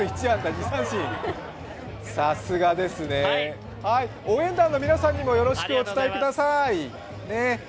さすがですね、応援団の皆さんにもよろしくお伝えください。